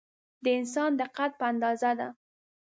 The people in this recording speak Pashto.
د انسان د قد په اندازه ده.